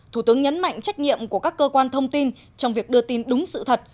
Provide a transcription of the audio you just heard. thủ tướng nhấn mạnh trách nhiệm của các cơ quan thông tin trong việc đưa tin đúng sự thật